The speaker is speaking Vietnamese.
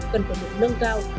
cần có một nâng cao